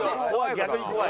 逆に怖い。